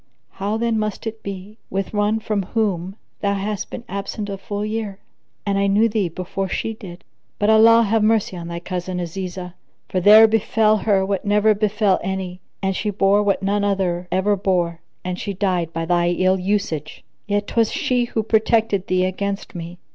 How then must it be with one from whom thou hast been absent a full year, and I knew thee before she did? But Allah have mercy on thy cousin Azizah, for there befel her what never befel any and she bore what none other ever bore and she died by thy ill usage; yet 'twas she who protected thee against me.